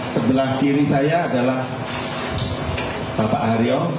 sebelah kiri saya adalah bapak haryo